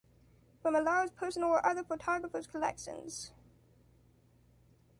From Alar’s personal or other photographers’ collections.